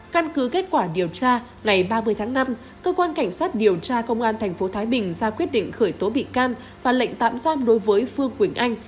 căn cứ kết quả điều tra ngày ba mươi tháng năm cơ quan cảnh sát điều tra công an tp thái bình ra quyết định khởi tố bị can và lệnh tạm giam đối với phương quỳnh anh